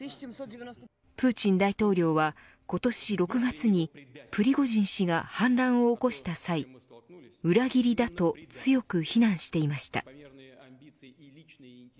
プーチン大統領は、今年６月にプリゴジン氏が反乱を起こした際裏切りだと強く非難していました。